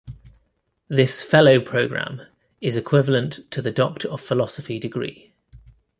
This Fellow Program is equivalent to the Doctor of Philosophy degree.